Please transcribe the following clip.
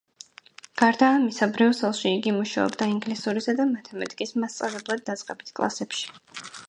გარდა ამისა, ბრიუსელში იგი მუშაობდა ინგლისურისა და მათემატიკის მასწავლებლად დაწყებით კლასებში.